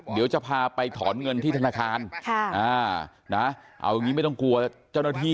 เดี๋ยวจะพาไปถอนเงินที่ธนาคารเอาอย่างนี้ไม่ต้องกลัวเจ้าหน้าที่